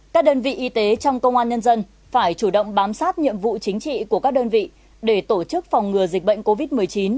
các đơn vị y tế trong công an nhân dân phải chủ động bám sát nhiệm vụ chính trị của các đơn vị để tổ chức phòng ngừa dịch bệnh covid một mươi chín